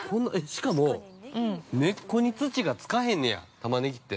しかも根っこに土がつかへんねやタマネギって。